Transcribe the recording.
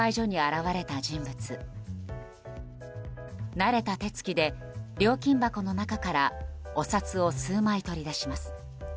慣れた手つきで料金箱の中からお札を数枚取り出します。